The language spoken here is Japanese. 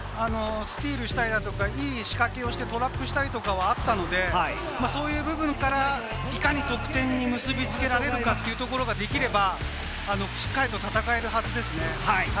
スティールしたりだとか、いい仕掛けをしてトラップしたりとかはあったので、そういう部分からいかに得点に結び付けられるかというところができれば、しっかり戦えるはずです。